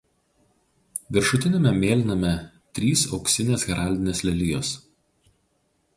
Viršutiniame mėlyname trys auksinės heraldinės lelijos.